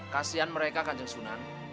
kasian mereka kanjeng sunan